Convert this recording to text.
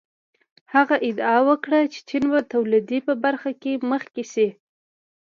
هغه ادعا وکړه چې چین به د تولید په برخه کې مخکې شي.